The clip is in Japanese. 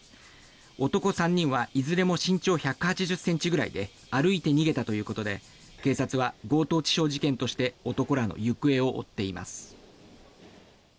男３人はいずれも身長１８０ｃｍぐらいで歩いて逃げたということで警察は強盗致傷事件として男らの行方を追っています。